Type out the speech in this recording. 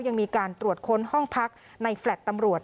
ยังมีการตรวจค้นห้องพักในแฟลต์ตำรวจ